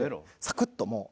サクッともう。